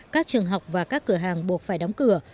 các trường học và các cửa hàng buộc phải đóng cửa